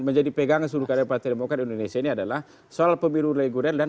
menjadi pegangan suruh karya partai demokrat indonesia adalah soal pemilu leguren dan